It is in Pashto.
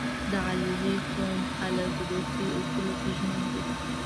• د علیزي قوم خلک د دوستۍ اصولو ته ژمن دي.